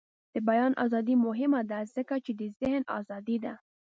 د بیان ازادي مهمه ده ځکه چې د ذهن ازادي ده.